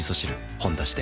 「ほんだし」で